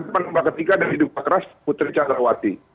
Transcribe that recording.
penembak ketiga dari dukak ras putri candawati